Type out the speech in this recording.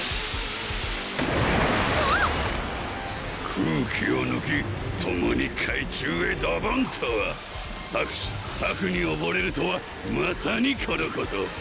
空気をぬきともに海中へドボンとは「策士策におぼれる」とはまさにこのこと！